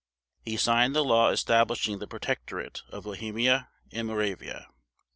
He signed the law establishing the Protectorate of Bohemia and Moravia.